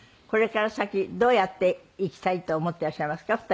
これから先どうやっていきたいと思っていらっしゃいますか？